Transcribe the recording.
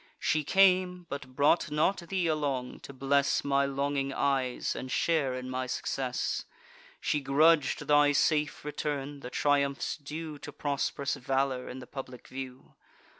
She came; but brought not thee along, to bless My longing eyes, and share in my success: She grudg'd thy safe return, the triumphs due To prosp'rous valour, in the public view.